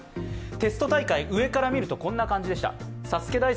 テスト大会、上から見るとこんな感じでした。